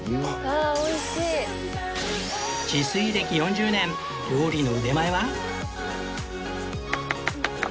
自炊歴４０年料理の腕前は？